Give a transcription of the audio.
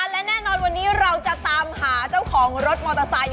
และแน่นอนวันนี้เราจะตามหาเจ้าของรถมอเตอร์ไซค์